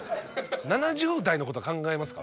７０代のことは考えますか？